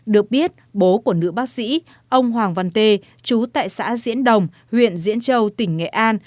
được biết bố của nữ bác sĩ ông hoàng văn tê chú tại xã diễn đồng huyện diễn châu tỉnh nghệ an